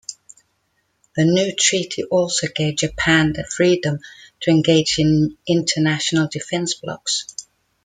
The new treaty also gave Japan the freedom to engage in international defense blocs.